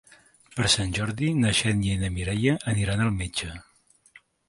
Per Sant Jordi na Xènia i na Mireia aniran al metge.